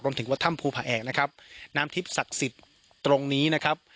ถึงวัดถ้ำภูผาแอกนะครับน้ำทิพย์ศักดิ์สิทธิ์ตรงนี้นะครับ